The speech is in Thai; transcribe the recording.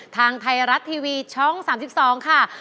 ทางไทยรัฐทีวีช่อง๓๒ค่ะ